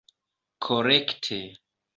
korekte